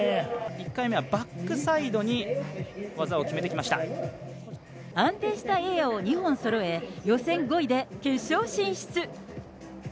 １回目はバックサイドに技を安定したエアを２本そろえ、予選５位で、決勝進出。